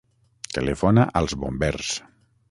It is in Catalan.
Telefona als bombers.